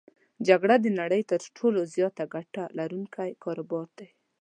جګړه د نړی تر ټولو زیاته ګټه لرونکی کاروبار دی.